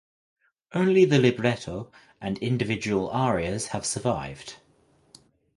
Only the libretto and individual arias have survived.